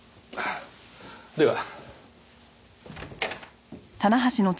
では。